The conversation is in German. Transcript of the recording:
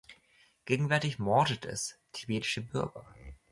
Gegenwärtig mordet es tibetische Bürger.